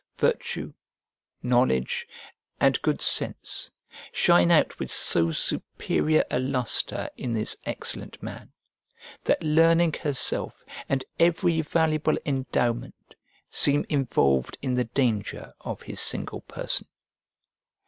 Virtue, knowledge, and good sense, shine out with so superior a lustre in this excellent man that learning herself, and every valuable endowment, seem involved in the danger of his single person.